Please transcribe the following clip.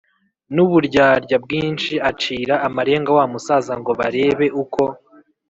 n’uburyarya bwinshi acira amarenga wa musaza ngo barebe uko